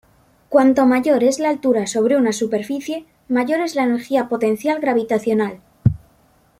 Cuanto mayor es la altura sobre una superficie, mayor es la energía potencial gravitacional.